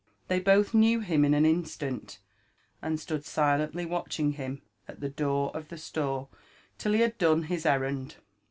They both knew him in an instant, and stood silently watching him at the door of the store till he had done his errand.